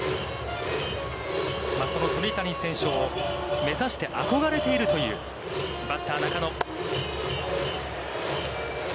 その鳥谷選手を目指して、憧れているというバッター中野。